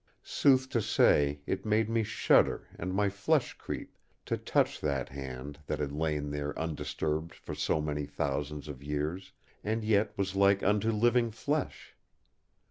Sooth to say, it made me shudder and my flesh creep to touch that hand that had lain there undisturbed for so many thousands of years, and yet was like unto living flesh.